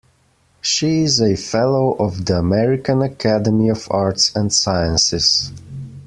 She is a Fellow of the American Academy of Arts and Sciences.